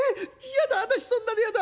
嫌だ私そんなの嫌だ！